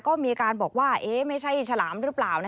ก็มีการบอกว่าไม่ใช่ฉลามหรือเปล่า